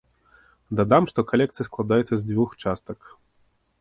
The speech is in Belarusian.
Дадам, што калекцыя складаецца з дзвюх частак.